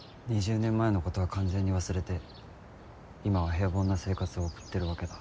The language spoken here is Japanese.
２０年前のことは完全に忘れて今は平凡な生活を送ってるわけだ。